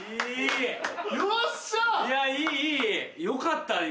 よかった